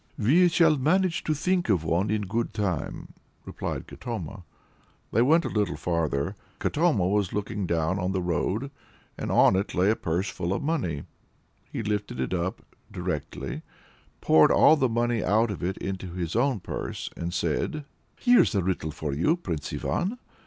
"We shall manage to think of one in good time," replied Katoma. They went a little farther. Katoma was looking down on the road, and on it lay a purse full of money. He lifted it up directly, poured all the money out of it into his own purse, and said "Here's a riddle for you, Prince Ivan!